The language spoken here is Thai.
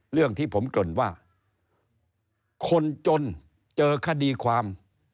เรื่องที่ผมเกริ่นว่าคนจนเจอคดีความ